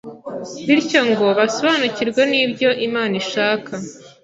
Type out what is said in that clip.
bityo ngo basobanukirwe n’ibyo Imana ishaka.